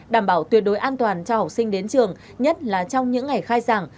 đảm bảo tuyệt đối an toàn cho học sinh đến trường nhất là trong những ngày khai giảng